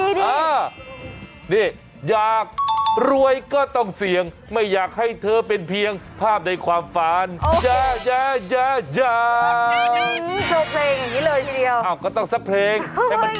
เออดีอ่ะนี่อยากรวยก็ต้องเสี่ยงไม่อยากให้เธอเป็นเพียงภาพในความฝาวน